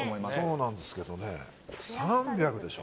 そうなんですけどね３００でしょ。